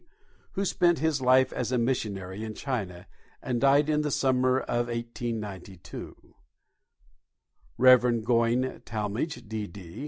who spent his life as a missionary in China, and died in the summer of 1892; Reverend Goyn Talmage, D.D.